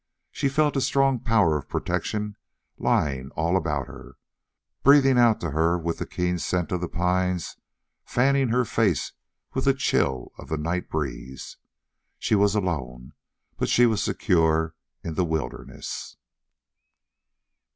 She felt a strong power of protection lying all about her, breathing out to her with the keen scent of the pines, fanning her face with the chill of the night breeze. She was alone, but she was secure in the wilderness.